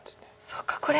そっかこれ。